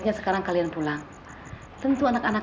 terima kasih mbak